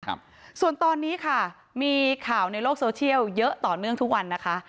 ครับส่วนตอนนี้ค่ะมีข่าวในโลกโซเชียลเยอะต่อเนื่องทุกวันนะคะ